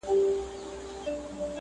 نړیوال راپورونه پرې زياتيږي.